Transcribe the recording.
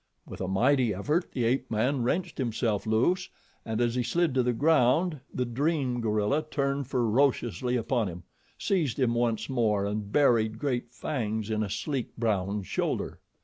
With a mighty effort the ape man wrenched himself loose, and as he slid to the ground, the dream gorilla turned ferociously upon him, seized him once more and buried great fangs in a sleek, brown shoulder.